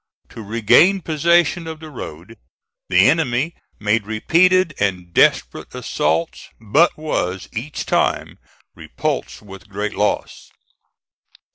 To regain possession of the road, the enemy made repeated and desperate assaults, but was each time repulsed with great loss.